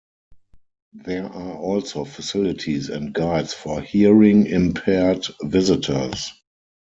There are also facilities and guides for hearing impaired visitors.